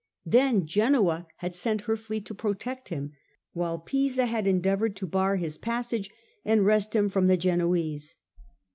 Then Genoa had sent her fleet to protect him while Pisa had endeavoured to bar his passage and wrest him from the Genoese.